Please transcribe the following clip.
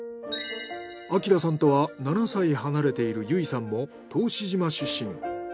晃さんとは７歳離れている由衣さんも答志島出身。